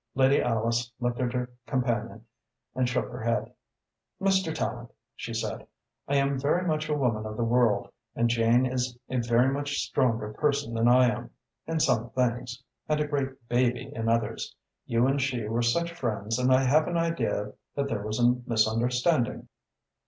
Lady Alice looked at her companion and shook her head. "Mr. Tallente," she said, "I am very much a woman of the world and Jane is a very much stronger person than I am, in some things, and a great baby in others. You and she were such friends and I have an idea that there was a misunderstanding."